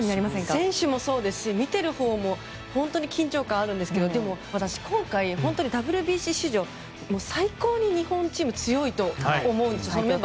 選手もそうですし見てるほうも緊張感があるんですがでも私は今回、ＷＢＣ史上最高に日本のチーム強いと思うんです。